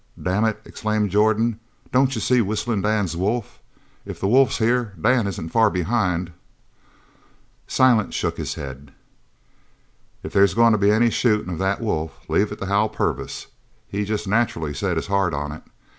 "Damn it!" exclaimed Jordan, "don't you see Whistling Dan's wolf? If the wolf's here, Dan isn't far behind." Silent shook his head. "If there's goin' to be any shootin' of that wolf leave it to Hal Purvis. He's jest nacherally set his heart on it.